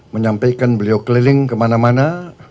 menyampaikan beliau keliling kemana mana